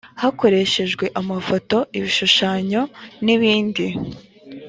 hakoreshejwe amafoto ibishushanyo n ibindi